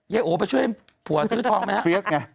เย้โอ๊วไปช่วยผัวซื้อทองไหมฮะ